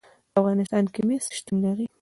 په افغانستان کې مس شتون لري.